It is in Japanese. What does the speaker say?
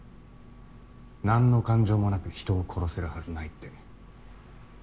なんの感情もなく人を殺せるはずないって。